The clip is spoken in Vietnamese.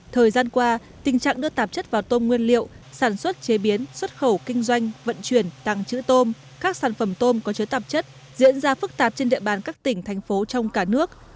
thời gian qua tình trạng đưa tạp chất vào tôm nguyên liệu sản xuất chế biến xuất khẩu kinh doanh vận chuyển tăng trữ tôm các sản phẩm tôm có chứa tạp chất diễn ra phức tạp trên địa bàn các tỉnh thành phố trong cả nước